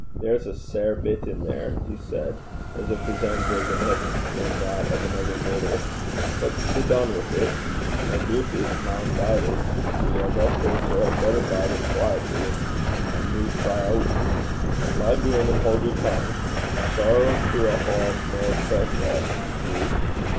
'There's a sair bit in there,' he said, as if his own bosom had been that of another mortal. 'What's to be dune wi' 't? I doobt it maun bide it. Weel, the crater had better bide it quaietly, and no cry oot. Lie doon, an' haud yer tongue. Soror tua haud meretrix est, ye brute!'